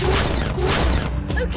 ＯＫ！